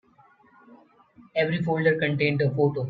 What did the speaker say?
Every folder contained a photo.